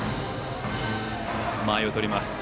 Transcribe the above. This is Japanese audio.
間合いを取ります。